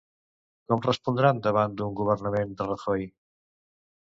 Com respondran davant d'un governament de Rajoy?